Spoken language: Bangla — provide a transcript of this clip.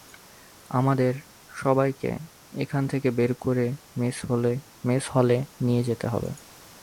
আমাদের, সবাইকে, এখান থেকে বের করে মেস হলে নিয়ে যেতে হবে।